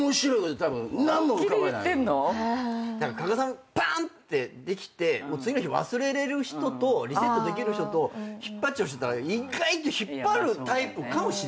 加賀さんパン！ってできて次の日忘れられる人とリセットできる人と引っ張っちゃう人意外と引っ張るタイプかもしれない。